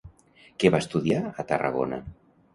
Què va estudiar a Tarragona?